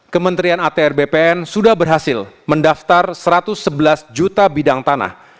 kementerian atr bpn sudah berhasil mendaftar satu ratus sebelas juta bidang tanah